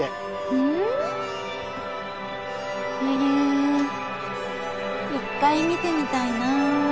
へぇ１回見てみたいな。